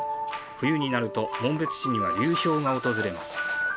冬になると紋別市には流氷が訪れます。